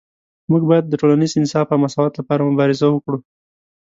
موږ باید د ټولنیز انصاف او مساوات لپاره مبارزه وکړو